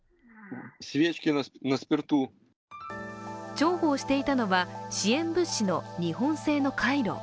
重宝していたのは支援物資の日本製のカイロ。